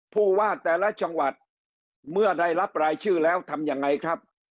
ผู้ว่าแต่ละจังหวัดเมื่อได้รับรายชื่อแล้วทำยังไงครับ